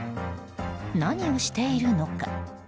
何をしているのか？